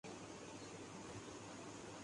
ثانیہ مرزا اور اظہر محمود کے درمیان دلچسپ نوک جھونک